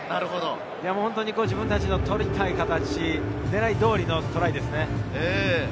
自分たちの取りたい形、狙い通りのトライですね。